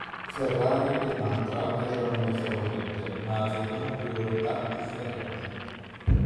Ferrari e Matra erano le favorite ma avevano priorità differenti.